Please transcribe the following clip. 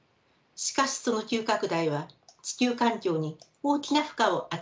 しかしその急拡大は地球環境に大きな負荷を与えてきました。